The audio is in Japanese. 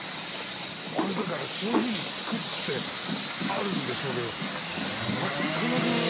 これだからそういうふうに作ってあるんでしょうけどなっかなかの。